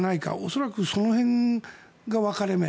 恐らくその辺が分かれ目。